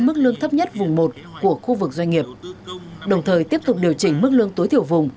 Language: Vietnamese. mức lương thấp nhất vùng một của khu vực doanh nghiệp đồng thời tiếp tục điều chỉnh mức lương tối thiểu vùng